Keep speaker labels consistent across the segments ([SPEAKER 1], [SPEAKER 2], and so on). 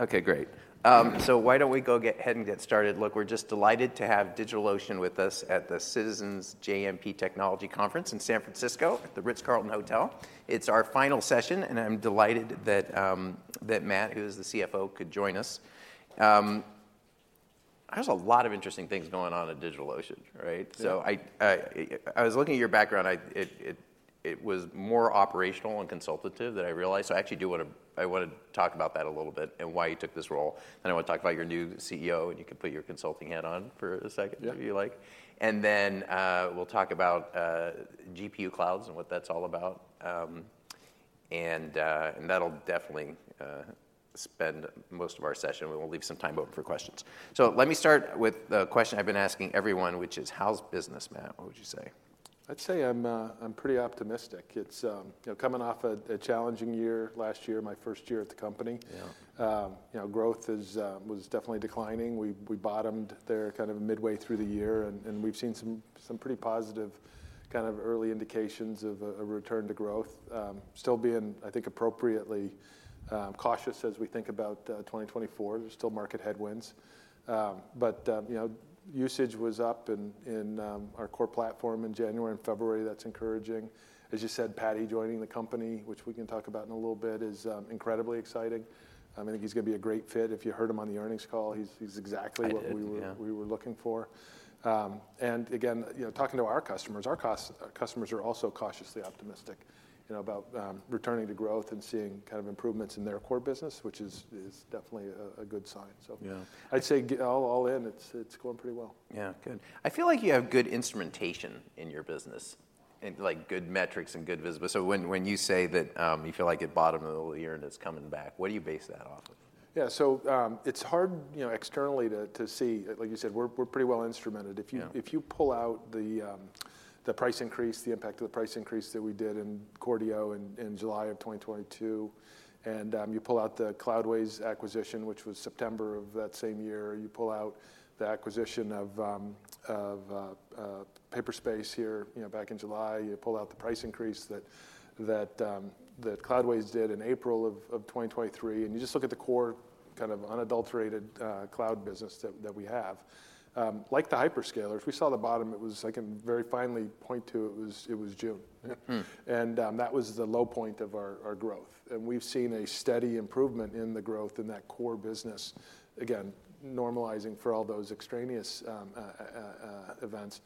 [SPEAKER 1] Okay, great. So why don't we go ahead and get started? Look, we're just delighted to have DigitalOcean with us at the Citizens JMP Technology Conference in San Francisco, at the Ritz-Carlton Hotel. It's our final session, and I'm delighted that Matt, who is the CFO, could join us. There's a lot of interesting things going on at DigitalOcean, right?
[SPEAKER 2] Yeah.
[SPEAKER 1] So I was looking at your background. It was more operational and consultative than I realized. So I actually do wanna talk about that a little bit and why you took this role. Then I want to talk about your new CEO, and you can put your consulting hat on for a second-
[SPEAKER 2] Yeah
[SPEAKER 1] If you like. And then, we'll talk about GPU clouds and what that's all about, and that'll definitely spend most of our session. We'll leave some time open for questions. So let me start with the question I've been asking everyone, which is: How's business, Matt? What would you say?
[SPEAKER 2] I'd say I'm pretty optimistic. It's, you know, coming off a challenging year last year, my first year at the company.
[SPEAKER 1] Yeah.
[SPEAKER 2] You know, growth is, was definitely declining. We bottomed there kind of midway through the year, and we've seen some pretty positive kind of early indications of a return to growth. Still being, I think, appropriately, cautious as we think about 2024. There's still market headwinds. But you know, usage was up in our core platform in January and February. That's encouraging. As you said, Patty joining the company, which we can talk about in a little bit, is incredibly exciting. I think he's going to be a great fit. If you heard him on the earnings call, he's exactly what we were-
[SPEAKER 1] I did, yeah....
[SPEAKER 2] we were looking for. And again, you know, talking to our customers, our customers are also cautiously optimistic, you know, about returning to growth and seeing kind of improvements in their core business, which is definitely a good sign. So-
[SPEAKER 1] Yeah.
[SPEAKER 2] I'd say all in all, it's going pretty well.
[SPEAKER 1] Yeah. Good. I feel like you have good instrumentation in your business and, like, good metrics and good visibility. So when you say that, you feel like it bottomed in the middle of the year and it's coming back, what do you base that off of?
[SPEAKER 2] Yeah. So, it's hard, you know, externally to see. Like you said, we're pretty well instrumented.
[SPEAKER 1] Yeah.
[SPEAKER 2] If you pull out the price increase, the impact of the price increase that we did in Core DO in July 2022, and you pull out the Cloudways acquisition, which was September 2022, you pull out the acquisition of Paperspace here, you know, back in July, you pull out the price increase that Cloudways did in April 2023, and you just look at the core, kind of unadulterated cloud business that we have. Like the hyperscaler, if we saw the bottom, it was. I can very finely point to, it was June.
[SPEAKER 1] Hmm.
[SPEAKER 2] That was the low point of our growth. We've seen a steady improvement in the growth in that core business. Again, normalizing for all those extraneous events,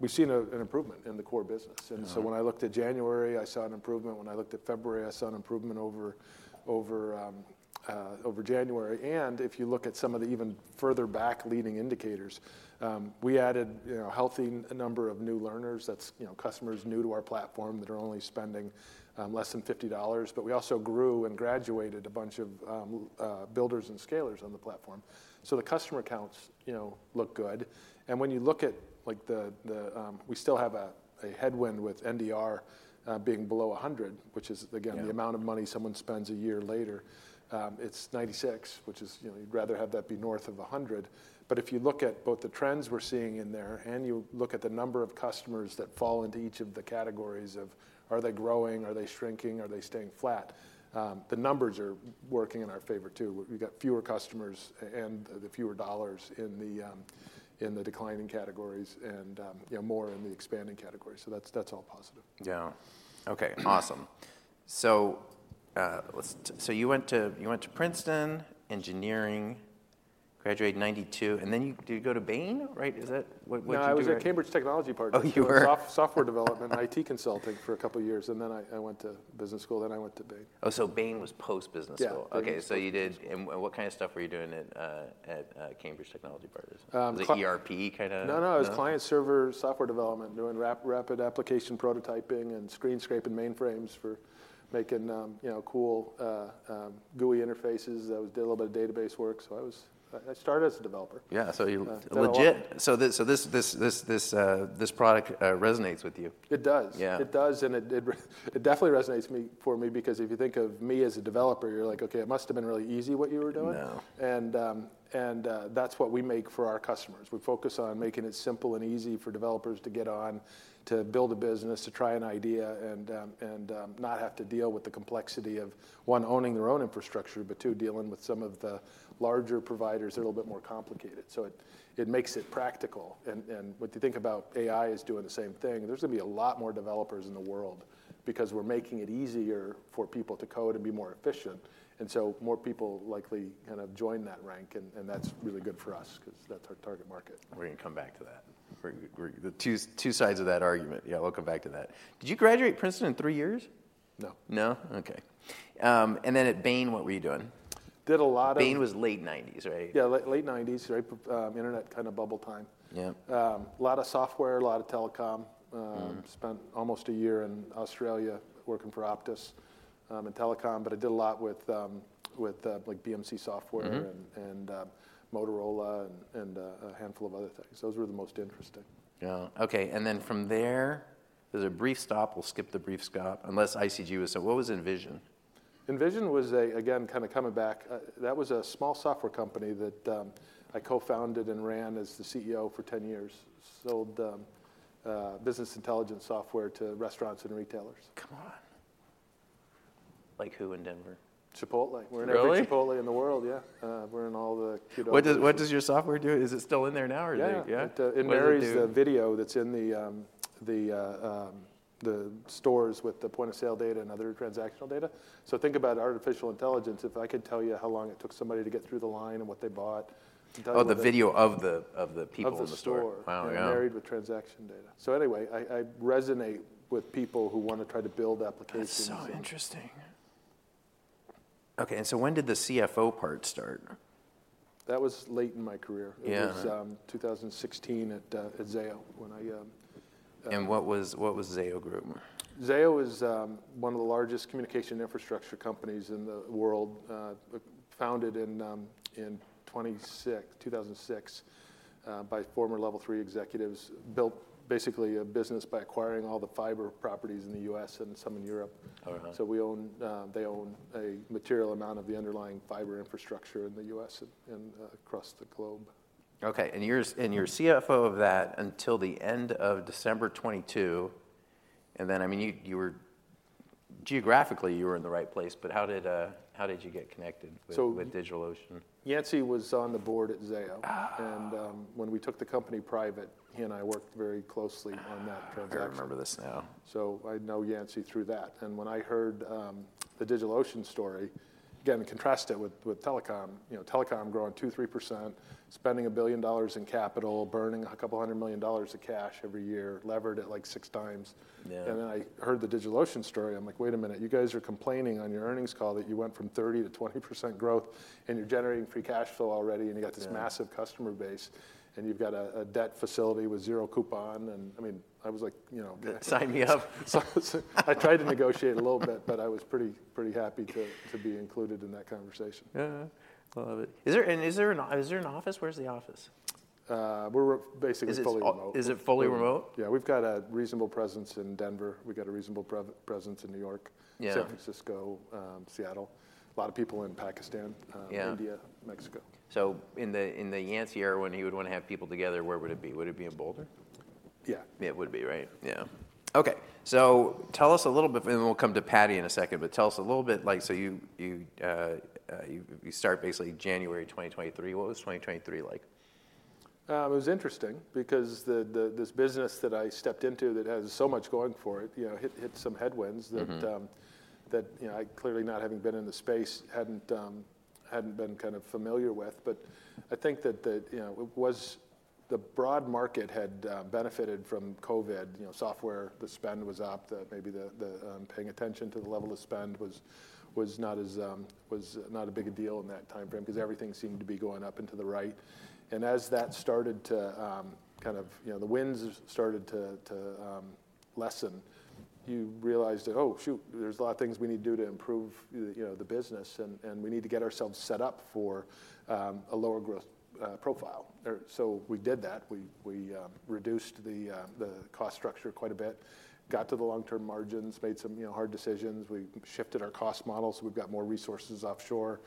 [SPEAKER 2] we've seen an improvement in the core business.
[SPEAKER 1] Uh-huh.
[SPEAKER 2] And so when I looked at January, I saw an improvement. When I looked at February, I saw an improvement over January. And if you look at some of the even further back leading indicators, we added, you know, a healthy number of new learners, that's, you know, customers new to our platform that are only spending less than $50. But we also grew and graduated a bunch of builders and scalers on the platform. So the customer accounts, you know, look good. And when you look at, like, the... we still have a headwind with NDR being below 100, which is, again-
[SPEAKER 1] Yeah...
[SPEAKER 2] the amount of money someone spends a year later. It's 96%, which is, you know, you'd rather have that be north of 100%. But if you look at both the trends we're seeing in there, and you look at the number of customers that fall into each of the categories of are they growing, are they shrinking, are they staying flat? The numbers are working in our favor, too. We've got fewer customers and the fewer dollars in the declining categories and, you know, more in the expanding categories. So that's, that's all positive.
[SPEAKER 1] Yeah. Okay, awesome. So, you went to Princeton, Engineering, graduated in 1992, and then did you go to Bain? Right? Is that what you did there?
[SPEAKER 2] No, I was at Cambridge Technology Partners.
[SPEAKER 1] Oh, you were?
[SPEAKER 2] Software development, IT consulting for a couple of years, and then I went to business school, then I went to Bain.
[SPEAKER 1] Oh, so Bain was post-business school?
[SPEAKER 2] Yeah.
[SPEAKER 1] Okay, so you did... And what kind of stuff were you doing at Cambridge Technology Partners?
[SPEAKER 2] Um-
[SPEAKER 1] Was it ERP kind of-
[SPEAKER 2] No, no.
[SPEAKER 1] No?
[SPEAKER 2] It was client-server software development, doing rapid application prototyping and screen scraping mainframes for making, you know, cool GUI interfaces. I did a little bit of database work, so I started as a developer.
[SPEAKER 1] Yeah, so you-
[SPEAKER 2] Federal law....
[SPEAKER 1] legit. So this product resonates with you?
[SPEAKER 2] It does.
[SPEAKER 1] Yeah.
[SPEAKER 2] It does, and it definitely resonates—for me because if you think of me as a developer, you're like: "Okay, it must have been really easy what you were doing.
[SPEAKER 1] No.
[SPEAKER 2] That's what we make for our customers. We focus on making it simple and easy for developers to get on, to build a business, to try an idea, and not have to deal with the complexity of, one, owning their own infrastructure, but two, dealing with some of the larger providers that are a little bit more complicated. So it makes it practical. And if you think about AI is doing the same thing, there's going to be a lot more developers in the world because we're making it easier for people to code and be more efficient. And so more people likely kind of join that rank, and that's really good for us 'cause that's our target market.
[SPEAKER 1] We're gonna come back to that. We're the two sides of that argument. Yeah, we'll come back to that. Did you graduate Princeton in three years?
[SPEAKER 2] No.
[SPEAKER 1] No? Okay. And then at Bain, what were you doing?
[SPEAKER 2] Did a lot of-
[SPEAKER 1] Bain was late 1990s, right?
[SPEAKER 2] Yeah, late, late 1990s, right. Internet kind of bubble time.
[SPEAKER 1] Yeah.
[SPEAKER 2] A lot of software, a lot of telecom.
[SPEAKER 1] Mm-hmm.
[SPEAKER 2] Spent almost a year in Australia working for Optus, in telecom, but I did a lot with like BMC Software- Mm-hmm... and Motorola and a handful of other things. Those were the most interesting.
[SPEAKER 1] Yeah. Okay, and then from there, there's a brief stop. We'll skip the brief stop, unless ICG was... So what was Envysion?
[SPEAKER 2] Envysion was a, again, kind of coming back. That was a small software company that I co-founded and ran as the CEO for 10 years. Sold business intelligence software to restaurants and retailers.
[SPEAKER 1] Come on! Like who in Denver?
[SPEAKER 2] Chipotle.
[SPEAKER 1] Really?
[SPEAKER 2] We're in every Chipotle in the world. Yeah. We're in all the Qdoba-
[SPEAKER 1] What does, what does your software do? Is it still in there now, or do you-
[SPEAKER 2] Yeah.
[SPEAKER 1] Yeah?
[SPEAKER 2] It marries-
[SPEAKER 1] What does it do?
[SPEAKER 2] - the video that's in the stores with the point-of-sale data and other transactional data. So think about artificial intelligence. If I could tell you how long it took somebody to get through the line and what they bought, and tell you-
[SPEAKER 1] Oh, the video of the people in the store.
[SPEAKER 2] Of the store.
[SPEAKER 1] Wow, yeah.
[SPEAKER 2] Married with transaction data. So anyway, I, I resonate with people who want to try to build applications and-
[SPEAKER 1] That's so interesting. Okay, and so when did the CFO part start?
[SPEAKER 2] That was late in my career.
[SPEAKER 1] Yeah.
[SPEAKER 2] It was 2016 at Zayo, when I
[SPEAKER 1] What was Zayo Group?
[SPEAKER 2] Zayo is one of the largest communication infrastructure companies in the world, founded in 2006 by former Level 3 executives. Built basically a business by acquiring all the fiber properties in the U.S. and some in Europe. Uh-huh. So we own, they own a material amount of the underlying fiber infrastructure in the U.S. and across the globe.
[SPEAKER 1] Okay, and you're CFO of that until the end of December 2022, and then, I mean, you were geographically in the right place, but how did you get connected with-
[SPEAKER 2] So-
[SPEAKER 1] -with DigitalOcean?
[SPEAKER 2] Yancey was on the board at Zayo. Ah! When we took the company private, he and I worked very closely on that transaction.
[SPEAKER 1] Ah, I remember this now.
[SPEAKER 2] So I know Yancey through that. And when I heard the DigitalOcean story, again, contrast it with telecom. You know, telecom growing 2-3%, spending $1 billion in capital, burning a couple hundred million dollars of cash every year, levered at, like, 6x.
[SPEAKER 1] Yeah.
[SPEAKER 2] And then I heard the DigitalOcean story. I'm like: Wait a minute, you guys are complaining on your earnings call that you went from 30%-20% growth, and you're generating free cash flow already, and you got-
[SPEAKER 1] Yeah...
[SPEAKER 2] this massive customer base, and you've got a debt facility with zero coupon. And, I mean, I was like, you know,
[SPEAKER 1] Sign me up.
[SPEAKER 2] I tried to negotiate a little bit, but I was pretty, pretty happy to, to be included in that conversation.
[SPEAKER 1] Yeah. Love it. Is there an office? Where's the office?
[SPEAKER 2] We're basically fully remote.
[SPEAKER 1] Is it fully remote?
[SPEAKER 2] Yeah. We've got a reasonable presence in Denver. We've got a reasonable presence in New York-
[SPEAKER 1] Yeah...
[SPEAKER 2] San Francisco, Seattle. A lot of people in Pakistan-
[SPEAKER 1] Yeah
[SPEAKER 2] India, Mexico.
[SPEAKER 1] So in the Yancey era, when he would want to have people together, where would it be? Would it be in Boulder?
[SPEAKER 2] Yeah.
[SPEAKER 1] It would be, right? Yeah. Okay, so tell us a little bit, and then we'll come to Patty in a second, but tell us a little bit... Like, so you start basically January 2023. What was 2023 like?
[SPEAKER 2] It was interesting because this business that I stepped into that has so much going for it, you know, hit some headwinds that- Mm-hmm... that, you know, I clearly, not having been in the space, hadn't been kind of familiar with. But I think that the, you know, it was the broad market had benefited from COVID. You know, software, the spend was up. Maybe the paying attention to the level of spend was not as big a deal in that timeframe 'cause everything seemed to be going up and to the right. And as that started to kind of, you know, the winds started to lessen, you realized that: Oh, shoot, there's a lot of things we need to do to improve, you know, the business, and we need to get ourselves set up for a lower growth profile. So we did that. We reduced the cost structure quite a bit, got to the long-term margins, made some, you know, hard decisions. We shifted our cost model, so we've got more resources offshore,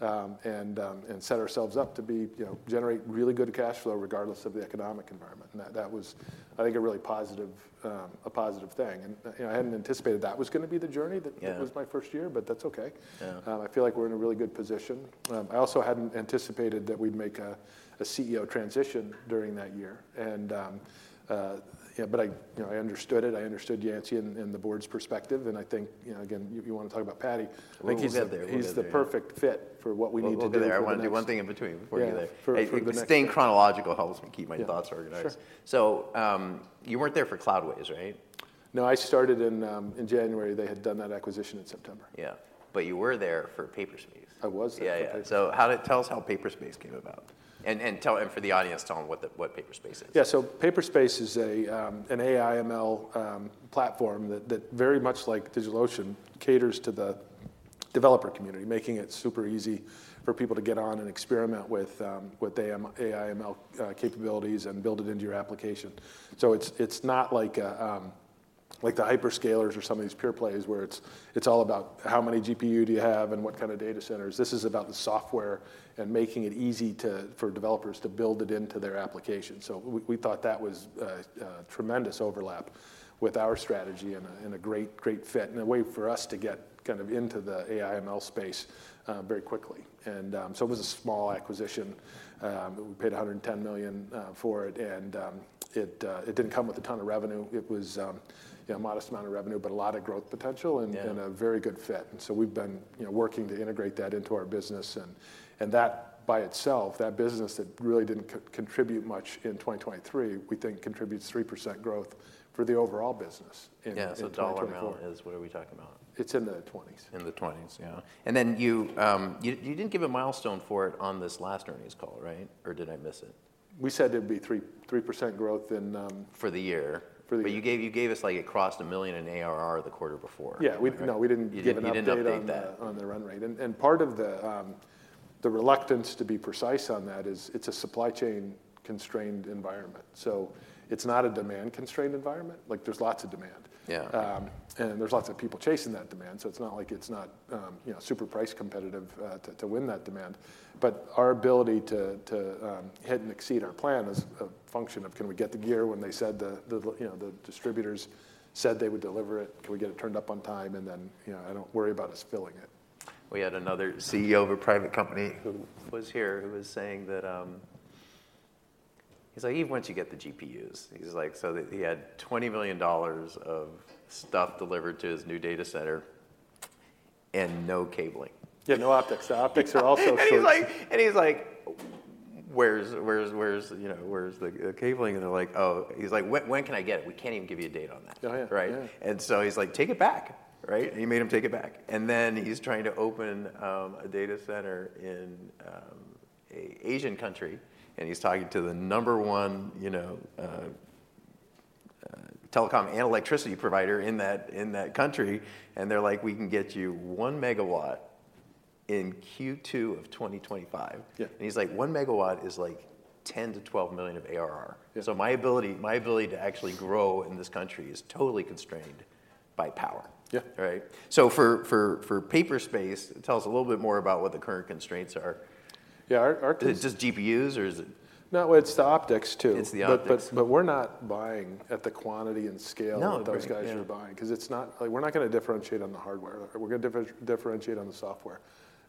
[SPEAKER 2] and set ourselves up to be—you know, generate really good cash flow regardless of the economic environment. And that, that was, I think, a really positive, a positive thing. And, you know, I hadn't anticipated that was gonna be the journey-
[SPEAKER 1] Yeah...
[SPEAKER 2] that was my first year, but that's okay. Yeah. I feel like we're in a really good position. I also hadn't anticipated that we'd make a CEO transition during that year. And, you know, but I, you know, I understood it. I understood Yancey and the board's perspective, and I think, you know, again, you want to talk about Paddy, well-
[SPEAKER 1] I think we'll get there. We'll get there...
[SPEAKER 2] he's the perfect fit for what we need to do in the next-
[SPEAKER 1] We'll get there. I want to do one thing in between before you do that.
[SPEAKER 2] Yeah, for the next-
[SPEAKER 1] Staying chronological helps me keep my thoughts organized.
[SPEAKER 2] Yeah, sure.
[SPEAKER 1] You weren't there for Cloudways, right?
[SPEAKER 2] No, I started in January. They had done that acquisition in September.
[SPEAKER 1] Yeah, but you were there for Paperspace.
[SPEAKER 2] I was there for Paperspace.
[SPEAKER 1] Yeah, yeah. So tell us how Paperspace came about. And, and tell, and for the audience, tell them what the, what Paperspace is.
[SPEAKER 2] Yeah, so Paperspace is a, an AI/ML platform that very much like DigitalOcean, caters to the developer community, making it super easy for people to get on and experiment with AI/ML capabilities and build it into your application. So it's not like the hyperscalers or some of these pure plays, where it's all about how many GPU do you have and what kind of data centers. This is about the software and making it easy for developers to build it into their application. So we thought that was a tremendous overlap with our strategy and a great fit, and a way for us to get kind of into the AI/ML space very quickly. So it was a small acquisition. We paid $110 million for it, and it didn't come with a ton of revenue. It was, you know, a modest amount of revenue, but a lot of growth potential-
[SPEAKER 1] Yeah...
[SPEAKER 2] and a very good fit. And so we've been, you know, working to integrate that into our business. And that by itself, that business that really didn't contribute much in 2023, we think contributes 3% growth for the overall business in 2024.
[SPEAKER 1] Yeah, so dollar amount is, what are we talking about?
[SPEAKER 2] It's in the 20s.
[SPEAKER 1] In the twenties, yeah. And then you didn't give a milestone for it on this last earnings call, right? Or did I miss it?
[SPEAKER 2] We said it'd be 3%, 3% growth in,
[SPEAKER 1] For the year.
[SPEAKER 2] For the year.
[SPEAKER 1] But you gave us, like, it crossed $1 million in ARR the quarter before.
[SPEAKER 2] Yeah, we-
[SPEAKER 1] Right?
[SPEAKER 2] No, we didn't give an update-
[SPEAKER 1] You didn't update that....
[SPEAKER 2] on the, on the run rate. And, and part of the, the reluctance to be precise on that is it's a supply chain constrained environment, so it's not a demand constrained environment. Like, there's lots of demand. Yeah. And there's lots of people chasing that demand, so it's not like it's not, you know, super price competitive, to win that demand. But our ability to hit and exceed our plan is a function of can we get the gear when they said the, you know, the distributors said they would deliver it, can we get it turned up on time? And then, you know, I don't worry about us filling it.
[SPEAKER 1] We had another CEO of a private company who was here, who was saying that. He's like, "Even once you get the GPUs," he's like, so he had $20 million of stuff delivered to his new data center, and no cabling.
[SPEAKER 2] Yeah, no optics. The optics are also-
[SPEAKER 1] And he's like, and he's like: "Where's, where's, where's, you know, where's the, the cabling?" And they're like, "Oh." He's like: "When, when can I get it?" "We can't even give you a date on that.
[SPEAKER 2] Oh, yeah.
[SPEAKER 1] Right.
[SPEAKER 2] Yeah.
[SPEAKER 1] And so he's like: "Take it back," right?
[SPEAKER 2] Yeah.
[SPEAKER 1] He made them take it back. Then he's trying to open a data center in an Asian country, and he's talking to the number one, you know, telecom and electricity provider in that country, and they're like: "We can get you one megawatt in Q2 of 2025.
[SPEAKER 2] Yeah.
[SPEAKER 1] He's like: "1 megawatt is like $10-12 million of ARR.
[SPEAKER 2] Yeah.
[SPEAKER 1] My ability, my ability to actually grow in this country is totally constrained by power.
[SPEAKER 2] Yeah.
[SPEAKER 1] Right? So for Paperspace, tell us a little bit more about what the current constraints are.
[SPEAKER 2] Yeah, our-
[SPEAKER 1] Is it just GPUs, or is it-
[SPEAKER 2] No, it's the optics, too.
[SPEAKER 1] It's the optics.
[SPEAKER 2] But we're not buying at the quantity and scale- No... those guys are buying, 'cause it's not like, we're not gonna differentiate on the hardware. We're gonna differentiate on the software,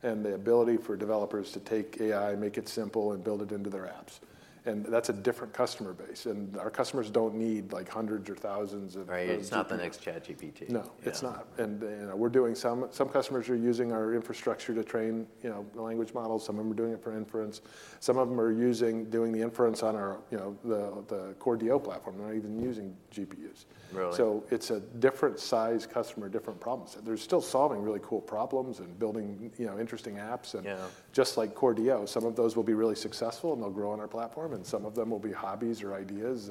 [SPEAKER 2] and the ability for developers to take AI, make it simple, and build it into their apps. And that's a different customer base, and our customers don't need like hundreds or thousands of-
[SPEAKER 1] Right, it's not the next ChatGPT.
[SPEAKER 2] No, it's not. Yeah. You know, some customers are using our infrastructure to train, you know, language models, some of them are doing it for inference, some of them are doing the inference on our, you know, the Core DO platform. They're not even using GPUs.
[SPEAKER 1] Really?
[SPEAKER 2] So it's a different size customer, different problems. They're still solving really cool problems and building, you know, interesting apps, and- Yeah... just like Core DO, some of those will be really successful, and they'll grow on our platform, and some of them will be hobbies or ideas,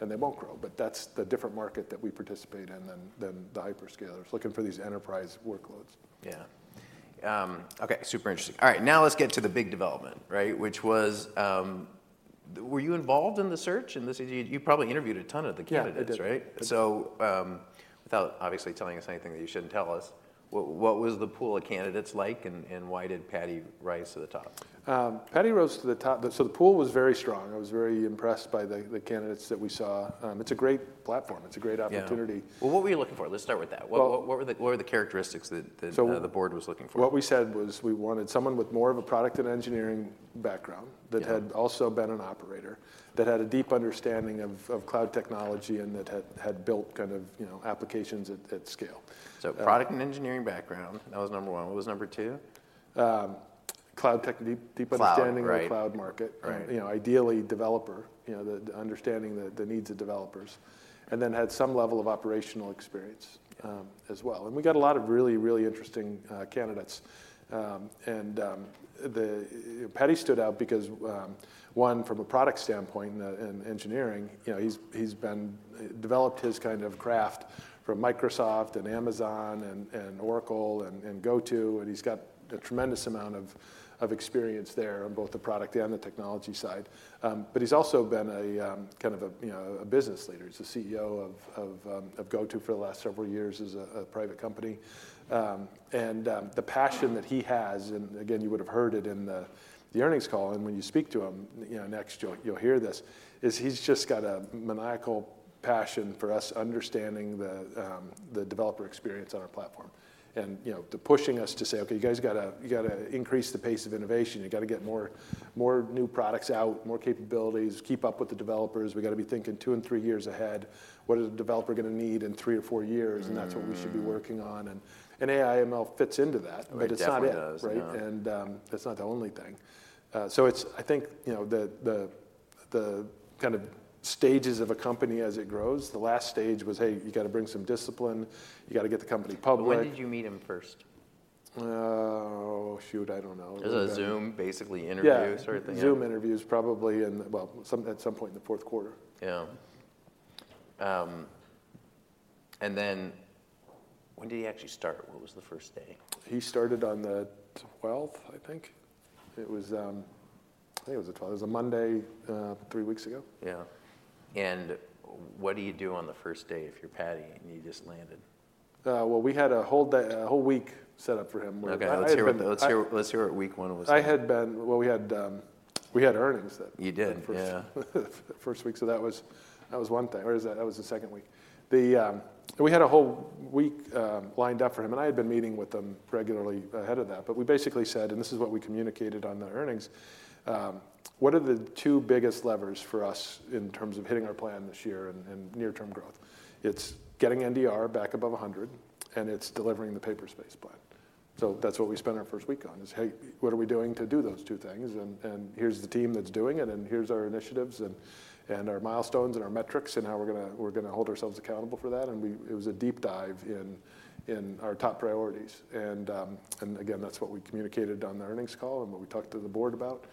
[SPEAKER 2] and they won't grow. But that's the different market that we participate in than the hyperscalers looking for these enterprise workloads.
[SPEAKER 1] Yeah. Okay, super interesting. All right, now let's get to the big development, right? Which was, were you involved in the search? You, you probably interviewed a ton of the candidates, right?
[SPEAKER 2] Yeah, I did.
[SPEAKER 1] Without obviously telling us anything that you shouldn't tell us, what was the pool of candidates like, and why did Patty rise to the top?
[SPEAKER 2] Patty rose to the top... So the pool was very strong. I was very impressed by the candidates that we saw. It's a great platform. It's a great opportunity.
[SPEAKER 1] Yeah. Well, what were you looking for? Let's start with that.
[SPEAKER 2] Well-
[SPEAKER 1] What were the characteristics that...
[SPEAKER 2] So-
[SPEAKER 1] - the board was looking for?...
[SPEAKER 2] what we said was we wanted someone with more of a product and engineering background-
[SPEAKER 1] Yeah...
[SPEAKER 2] that had also been an operator, that had a deep understanding of cloud technology, and that had built kind of, you know, applications at scale.
[SPEAKER 1] So product and engineering background, that was number one. What was number two?
[SPEAKER 2] Cloud tech. Deep, deep understanding- Cloud, right... of the cloud market.
[SPEAKER 1] Right.
[SPEAKER 2] You know, ideally developer, you know, the understanding the needs of developers, and then had some level of operational experience, as well. And we got a lot of really, really interesting candidates. And Patty stood out because, one, from a product standpoint, and engineering, you know, he's developed his kind of craft from Microsoft and Amazon and Oracle and GoTo, and he's got a tremendous amount of experience there on both the product and the technology side. But he's also been a kind of a, you know, a business leader. He's the CEO of GoTo for the last several years as a private company.
[SPEAKER 1] The passion that he has, and again, you would've heard it in the earnings call, and when you speak to him, you know, you'll hear this, is he's just got a maniacal passion for us understanding the developer experience on our platform. And, you know, the pushing us to say: "Okay, you guys got to increase the pace of innovation. You got to get more new products out, more capabilities. Keep up with the developers. We've got to be thinking two and three years ahead. What is the developer gonna need in three or four years? Mm.
[SPEAKER 2] And that's what we should be working on." And AI, ML fits into that-
[SPEAKER 1] It definitely does....
[SPEAKER 2] but it's not it, right? No. That's not the only thing. So it's, I think, you know, the kind of stages of a company as it grows, the last stage was, hey, you got to bring some discipline, you got to get the company public.
[SPEAKER 1] When did you meet him first?
[SPEAKER 2] Oh, shoot, I don't know.
[SPEAKER 1] It was a Zoom, basically, interview sort of thing?
[SPEAKER 2] Yeah, Zoom interviews, probably in, well, at some point in the fourth quarter.
[SPEAKER 1] Yeah. Then when did he actually start? What was the first day?
[SPEAKER 2] He started on the twelfth, I think. It was, I think it was the twelfth. It was a Monday, three weeks ago.
[SPEAKER 1] Yeah. And what do you do on the first day if you're Patty and you just landed?
[SPEAKER 2] Well, we had a whole day, a whole week set up for him where I had been-
[SPEAKER 1] Okay, let's hear what week one was like.
[SPEAKER 2] I had been... Well, we had, we had earnings that-
[SPEAKER 1] You did, yeah....
[SPEAKER 2] first week, so that was, that was one thing. Or is that - that was the second week. We had a whole week lined up for him, and I had been meeting with him regularly ahead of that. But we basically said, and this is what we communicated on the earnings: What are the two biggest levers for us in terms of hitting our plan this year and, and near-term growth? It's getting NDR back above 100, and it's delivering the Paperspace plan.... So that's what we spent our first week on, is, "Hey, what are we doing to do those two things? And, and here's the team that's doing it, and here's our initiatives, and, and our milestones and our metrics, and how we're gonna, we're gonna hold ourselves accountable for that." And we. It was a deep dive in our top priorities. And again, that's what we communicated on the earnings call and what we talked to the board about.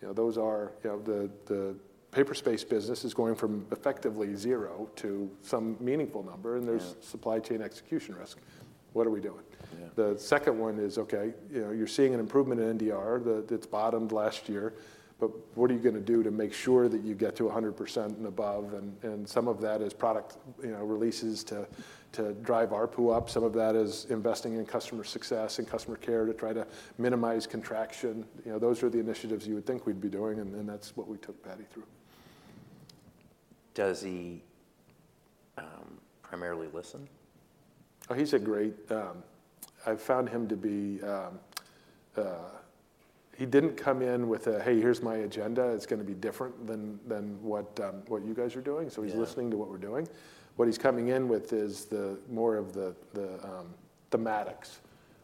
[SPEAKER 2] You know, those are, you know, the Paperspace business is going from effectively zero to some meaningful number-
[SPEAKER 1] Yeah.
[SPEAKER 2] there's supply chain execution risk. What are we doing?
[SPEAKER 1] Yeah.
[SPEAKER 2] The second one is, okay, you know, you're seeing an improvement in NDR, the, that bottomed last year, but what are you gonna do to make sure that you get to 100% and above? And some of that is product, you know, releases to drive ARPU up. Some of that is investing in customer success and customer care to try to minimize contraction. You know, those are the initiatives you would think we'd be doing, and then that's what we took Patty through.
[SPEAKER 1] Does he primarily listen?
[SPEAKER 2] Oh, he's a great. I've found him to be. He didn't come in with a, "Hey, here's my agenda, it's gonna be different than what you guys are doing.
[SPEAKER 1] Yeah.
[SPEAKER 2] So he's listening to what we're doing. What he's coming in with is more of the thematics,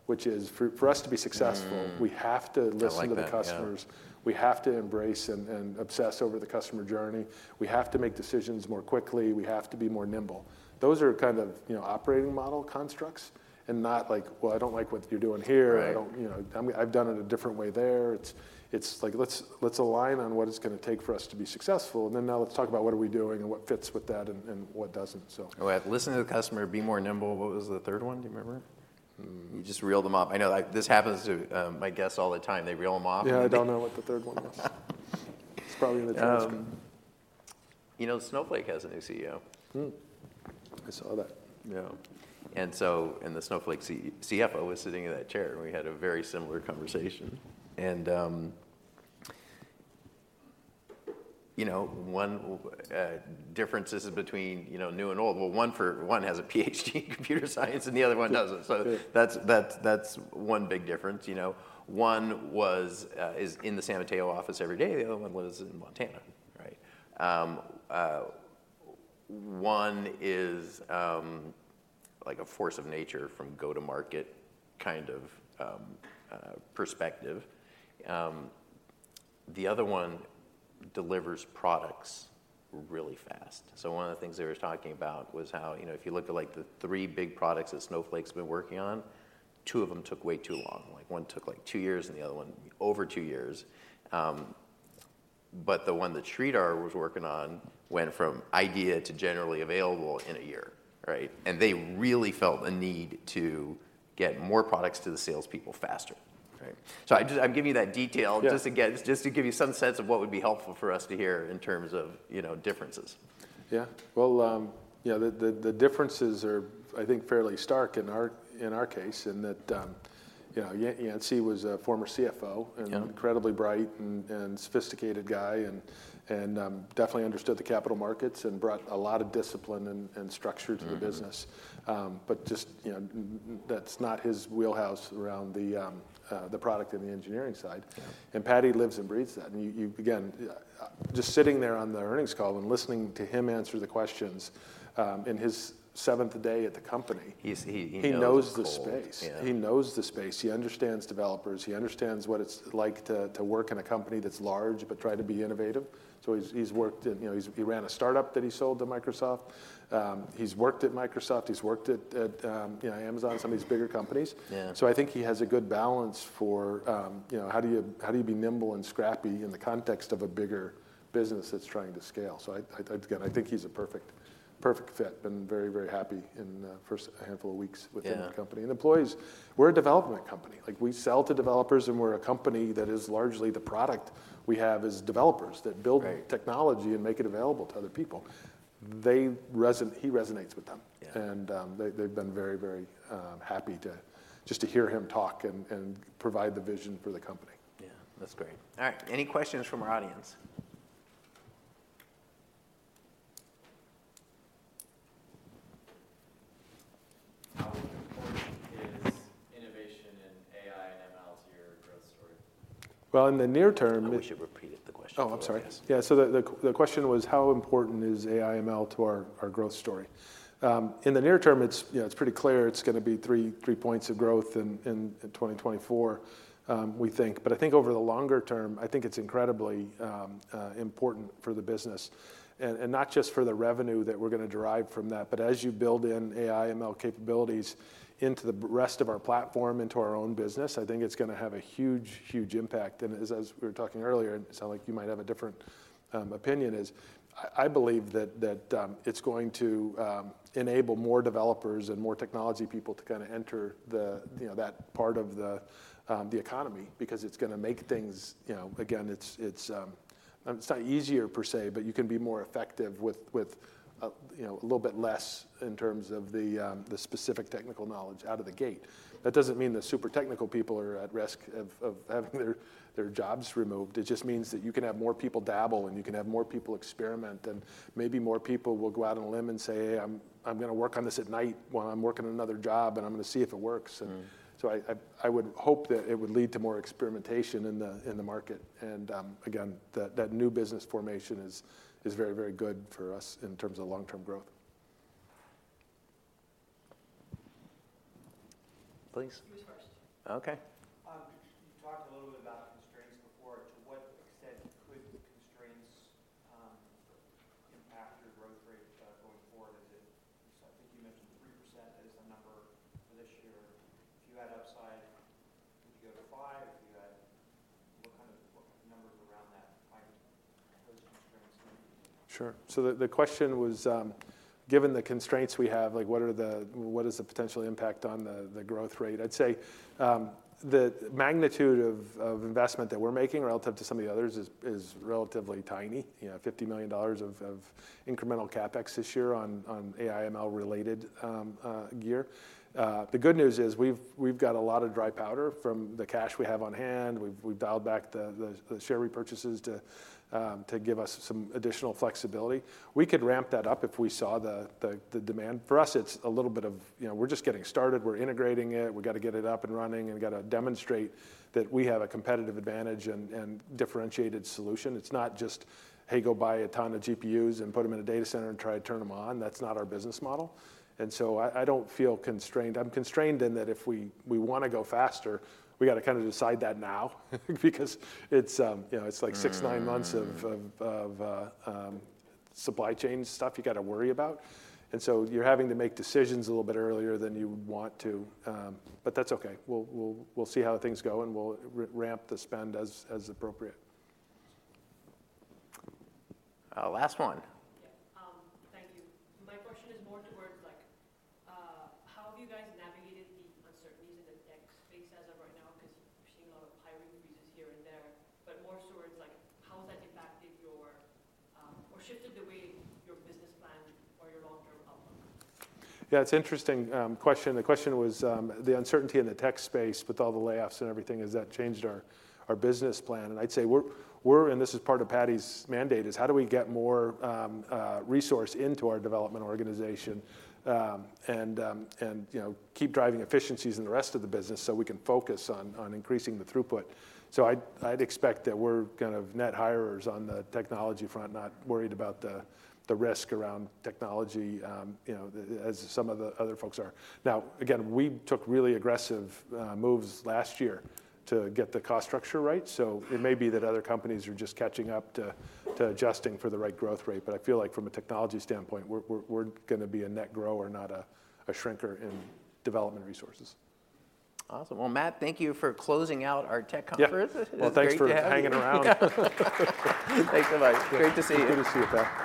[SPEAKER 2] which is for us to be successful- Mm. We have to listen to the customers.
[SPEAKER 1] I like that, yeah.
[SPEAKER 2] We have to embrace and obsess over the customer journey. We have to make decisions more quickly. We have to be more nimble. Those are kind of, you know, operating model constructs, and not like: "Well, I don't like what you're doing here.
[SPEAKER 1] Right.
[SPEAKER 2] I don't... You know, I've done it a different way there. It's like, let's align on what it's gonna take for us to be successful, and then now let's talk about what are we doing and what fits with that and what doesn't, so.
[SPEAKER 1] Oh yeah, listen to the customer, be more nimble. What was the third one? Do you remember? You just reeled them off. I know, like, this happens to my guests all the time. They reel them off and-
[SPEAKER 2] Yeah, I don't know what the third one is. It's probably in the transcript.
[SPEAKER 1] You know, Snowflake has a new CEO.
[SPEAKER 2] Mm. I saw that.
[SPEAKER 1] Yeah. And so, the Snowflake CFO was sitting in that chair, and we had a very similar conversation. And, you know, one difference between, you know, new and old. Well, one has a PhD in computer science, and the other one doesn't.
[SPEAKER 2] Yeah.
[SPEAKER 1] So that's one big difference, you know. One was, is in the San Mateo office every day, the other one lives in Montana, right? One is, like a force of nature from go-to-market kind of perspective. The other one delivers products really fast. So one of the things they were talking about was how, you know, if you look at, like, the three big products that Snowflake's been working on, two of them took way too long. Like, one took, like, two years, and the other one, over two years. But the one that Sridhar was working on went from idea to generally available in a year, right? And they really felt a need to get more products to the salespeople faster, right? So I just- I'm giving you that detail-
[SPEAKER 2] Yeah...
[SPEAKER 1] just again, just to give you some sense of what would be helpful for us to hear in terms of, you know, differences.
[SPEAKER 2] Yeah. Well, yeah, the differences are, I think, fairly stark in our case, in that, you know, Yancey was a former CFO-
[SPEAKER 1] Yeah...
[SPEAKER 2] an incredibly bright and sophisticated guy, and definitely understood the capital markets and brought a lot of discipline and structure to the business. Mm-hmm. But just, you know, that's not his wheelhouse around the product and the engineering side.
[SPEAKER 1] Yeah.
[SPEAKER 2] Patty lives and breathes that. You, again, just sitting there on the earnings call and listening to him answer the questions, in his seventh day at the company-
[SPEAKER 1] He knows what it's called....
[SPEAKER 2] he knows the space. Yeah. He knows the space, he understands developers, he understands what it's like to work in a company that's large but try to be innovative. So he's worked in, you know, he ran a startup that he sold to Microsoft. He's worked at Microsoft, he's worked at, you know, Amazon, some of these bigger companies.
[SPEAKER 1] Yeah.
[SPEAKER 2] So I think he has a good balance for, you know, how do you, how do you be nimble and scrappy in the context of a bigger business that's trying to scale? So I again, I think he's a perfect, perfect fit, and very, very happy in the first handful of weeks- Yeah... within the company. Employees, we're a development company. Like, we sell to developers, and we're a company that is largely the product we have is developers that build-
[SPEAKER 1] Right...
[SPEAKER 2] technology and make it available to other people. He resonates with them.
[SPEAKER 1] Yeah.
[SPEAKER 2] They've been very, very happy to just hear him talk and provide the vision for the company.
[SPEAKER 1] Yeah, that's great. All right, any questions from our audience? How important is innovation in AI and ML to your growth story?
[SPEAKER 2] Well, in the near term-
[SPEAKER 1] I wish you repeated the question.
[SPEAKER 2] Oh, I'm sorry. Yes. Yeah, so the question was, how important is AI ML to our growth story? In the near term, it's, you know, it's pretty clear it's gonna be three points of growth in 2024, we think. But I think over the longer term, I think it's incredibly important for the business. Not just for the revenue that we're gonna derive from that, but as you build in AI ML capabilities into the rest of our platform, into our own business, I think it's gonna have a huge, huge impact. And as we were talking earlier, it sounds like you might have a different opinion. I believe that it's going to enable more developers and more technology people to kinda enter the, you know, that part of the economy, because it's gonna make things, you know. Again, it's not easier per se, but you can be more effective with, you know, a little bit less in terms of the specific technical knowledge out of the gate. That doesn't mean that super technical people are at risk of having their jobs removed. It just means that you can have more people dabble, and you can have more people experiment, and maybe more people will go out on a limb and say, "Hey, I'm gonna work on this at night while I'm working another job, and I'm gonna see if it works.
[SPEAKER 1] Mm.
[SPEAKER 2] I would hope that it would lead to more experimentation in the market. Again, that new business formation Sure. So the question was, given the constraints we have, like, what is the potential impact on the growth rate? I'd say, the magnitude of investment that we're making relative to some of the others is relatively tiny. You know, $50 million of incremental CapEx this year on AI/ML-related gear. The good news is we've got a lot of dry powder from the cash we have on hand. We've dialed back the share repurchases to give us some additional flexibility. We could ramp that up if we saw the demand. For us, it's a little bit of, you know, we're just getting started, we're integrating it, we've gotta get it up and running, and we've gotta demonstrate that we have a competitive advantage and differentiated solution. It's not just, "Hey, go buy a ton of GPUs and put them in a data center and try to turn them on." That's not our business model, and so I don't feel constrained. I'm constrained in that if we wanna go faster, we gotta kinda decide that now, because it's like six-9 months of supply chain stuff you gotta worry about. And so you're having to make decisions a little bit earlier than you would want to, but that's okay. We'll see how things go, and we'll ramp the spend as appropriate.
[SPEAKER 1] Last one.
[SPEAKER 3] Yeah, thank you. My question is more towards like, how have you guys navigated the uncertainties in the tech space as of right now? 'Cause we're seeing a lot of hiring freezes here and there. But more towards like, how has that impacted your, or shifted the way your business plan or your long-term outlook?
[SPEAKER 2] Yeah, it's an interesting question. The question was the uncertainty in the tech space with all the layoffs and everything, has that changed our business plan? And I'd say we're... And this is part of Paddy's mandate, is: How do we get more resource into our development organization, and, you know, keep driving efficiencies in the rest of the business, so we can focus on increasing the throughput? So I'd expect that we're kind of net hirers on the technology front, not worried about the risk around technology, you know, as some of the other folks are. Now, again, we took really aggressive moves last year to get the cost structure right. So it may be that other companies are just catching up to adjusting for the right growth rate. But I feel like from a technology standpoint, we're gonna be a net grower, not a shrinker in development resources.
[SPEAKER 1] Awesome. Well, Matt, thank you for closing out our tech conference.
[SPEAKER 2] Yeah.
[SPEAKER 1] It was great to have you.
[SPEAKER 2] Well, thanks for hanging around.
[SPEAKER 1] Thanks a lot. Great to see you.
[SPEAKER 2] Good to see you, Pat.